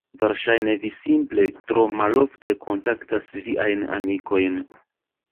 Verŝajne vi simple tro malofte kontaktas viajn amikojn.